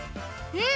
うん！